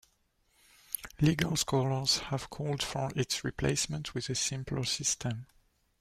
Legal scholars have called for its replacement with a simpler system.